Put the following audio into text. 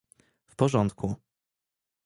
"W porządku